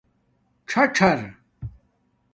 ݼݼر